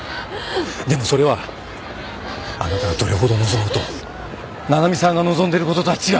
でもそれはあなたがどれほど望もうと七海さんが望んでることとは違う！